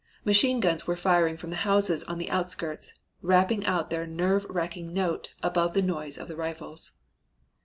Machine guns were firing from the houses on the outskirts, rapping out their nerve racking note above the noise of the rifles.